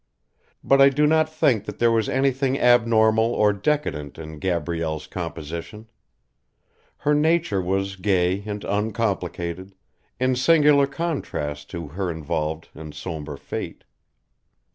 But I do not think that there was anything abnormal or decadent in Gabrielle's composition. Her nature was gay and uncomplicated, in singular contrast to her involved and sombre fate.